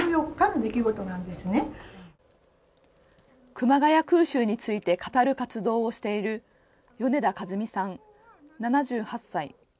熊谷空襲について語る活動をしている米田主美さん、７８歳。